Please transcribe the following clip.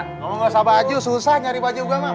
ngomong ngomong ga usah baju susah nyari baju gua mak